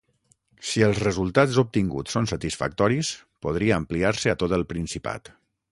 Si els resultats obtinguts són satisfactoris, podria ampliar-se a tot el Principat.